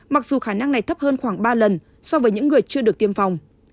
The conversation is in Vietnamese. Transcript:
mặc dù khả năng này thấp hơn khoảng ba lần so với những người chưa được tiêm phòng